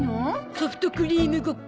ソフトクリームごっこ。